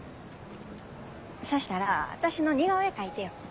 そしたら私の似顔絵描いてよ。